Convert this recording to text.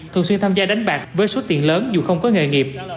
thường xuyên tham gia đánh bạc với số tiền lớn dù không có nghề nghiệp